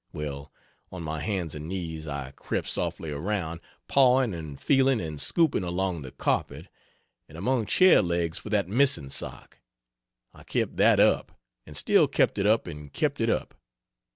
Well, on my hands and knees I crept softly around, pawing and feeling and scooping along the carpet, and among chair legs for that missing sock; I kept that up; and still kept it up and kept it up.